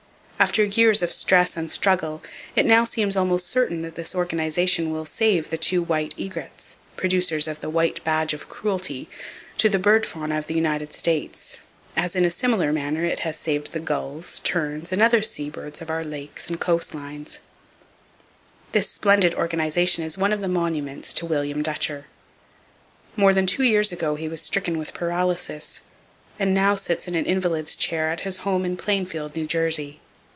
After years of stress and struggle, it now seems almost certain that this organization will save the two white egrets,—producers of "the white badge of cruelty,"—to the bird fauna of the United States, as in a similar manner it has saved the gulls, terns and other sea birds of our lakes and coast line. This splendid organization is one of the monuments to William Dutcher. More than two years ago he was stricken with paralysis, and now sits in an invalid's chair at his home in Plainfield, New Jersey.